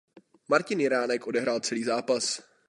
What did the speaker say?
Martin Jiránek odehrál celý zápas.